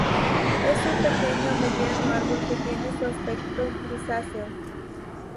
Es un pequeño o mediano árbol que tiene un aspecto grisáceo.